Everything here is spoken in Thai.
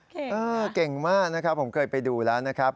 เก่งมากนะครับผมเคยไปดูแล้วนะครับ